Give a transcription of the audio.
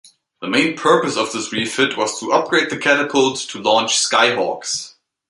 The main purpose of this refit was to upgrade the catapult to launch Skyhawks.